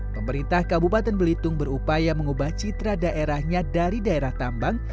pemerintah kabupaten belitung berupaya mengubah citra daerahnya dari daerah tambang